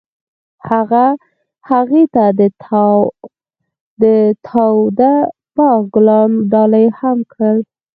هغه هغې ته د تاوده باغ ګلان ډالۍ هم کړل.